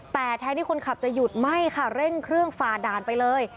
แต่แทนที่คนขับจะหยุดไม่ค่ะเร่งเครื่องฝ่าด่านไปเลย